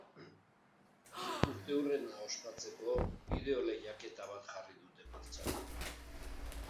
Urteurrena ospatzeko, bideo lehiaketa bat jarri dute martxan.